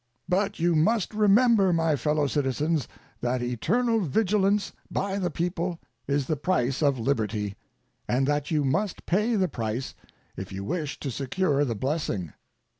But you must remember, my fellow citizens, that eternal vigilance by the people is the price of liberty, and that you must pay the price if you wish to secure the blessing.